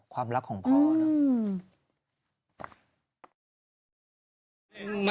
ความรักของพ่อเนอะ